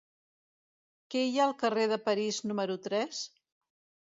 Què hi ha al carrer de París número tres?